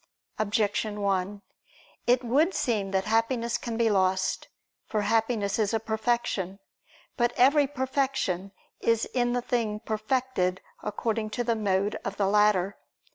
Objection 1: It would seem that Happiness can be lost. For Happiness is a perfection. But every perfection is in the thing perfected according to the mode of the latter.